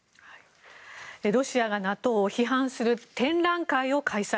ロシアがＮＡＴＯを批判する展覧会を開催。